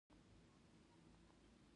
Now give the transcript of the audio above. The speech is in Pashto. دا هیڅوک نه شي ثابتولی.